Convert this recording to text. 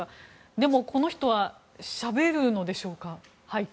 でも、この人は背景をしゃべるのでしょうか。